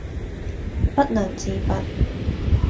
不能自拔